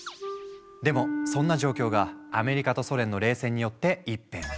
でもそんな状況がアメリカとソ連の冷戦によって一変。